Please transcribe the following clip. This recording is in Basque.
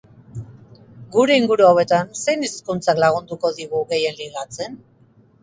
Gure inguru hauetan, zein hizkuntzak lagunduko digu gehien ligatzen?